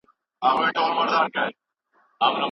ټولنيز علوم د ژوند مانا روښانه کوي.